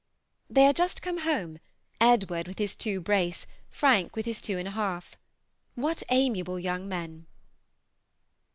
They are just come home, Edward with his two brace, Frank with his two and a half. What amiable young men!